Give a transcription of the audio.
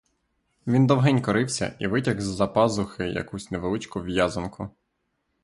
Він довгенько рився і витяг з-за пазухи якусь невеличку в'язанку.